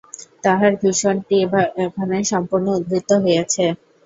তাঁহার ভাষণটি এখানে সম্পূর্ণ উদ্ধৃত হইতেছে।